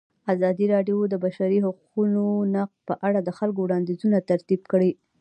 ازادي راډیو د د بشري حقونو نقض په اړه د خلکو وړاندیزونه ترتیب کړي.